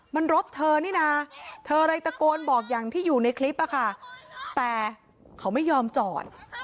มันรถเธอนี่นะเธอเลยตะโกนบอกอย่างที่อยู่ในคลิปอะค่ะแต่เขาไม่ยอมจอด